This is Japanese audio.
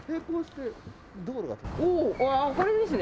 これですね。